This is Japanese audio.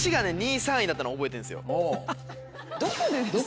２位３位だったの覚えてるんですよ。